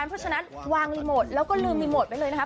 เพราะฉะนั้นวางรีโมทแล้วก็ลืมรีโมทไว้เลยนะครับ